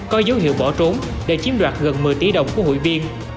có dấu hiệu bỏ trốn để chiếm đoạt gần một mươi tỷ đồng của hội viên